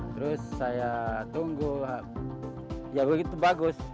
terus saya tunggu ya begitu bagus